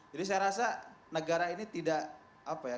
jadi saya rasa negara ini tidak apa ya